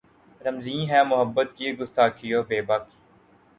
رمزیں ہیں محبت کی گستاخی و بیباکی